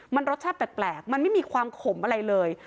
มันรสชาติแปลกมันไม่มีความขมอะไรเลย